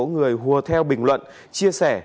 người hùa theo bình luận chia sẻ